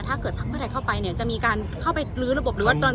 พักเพื่อไทยเข้าไปเนี่ยจะมีการเข้าไปลื้อระบบหรือว่า